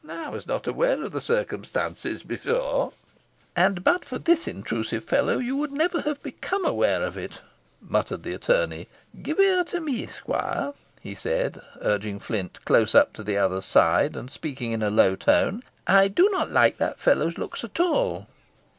I was not aware of the circumstance before ha, ha!" "And, but for this intrusive fellow, you would never have become aware of it," muttered the attorney. "Give ear to me, squire," he said, urging Flint close up to the other's side, and speaking in a low tone, "I do not like the fellow's looks at all."